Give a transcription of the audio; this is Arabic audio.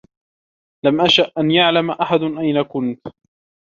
لم أشأ أن يعلم أحدا أين كنت.